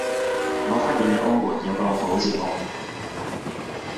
我發現澳門有個好節目